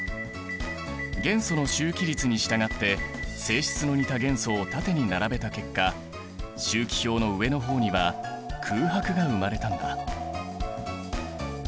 元素の周期律に従って性質の似た元素を縦に並べた結果周期表の上の方には空白が生まれたんだ。